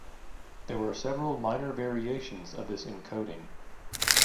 There were several minor variations of this encoding.